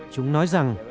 chúng nói rằng